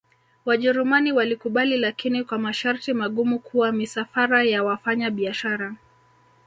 wajerumani walikubali lakini kwa masharti magumu kuwa misafara ya wafanya biashara